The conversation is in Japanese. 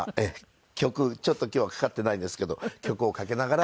曲ちょっと今日はかかっていないんですけど曲をかけながら。